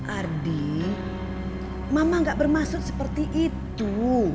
ardi mama gak bermaksud seperti itu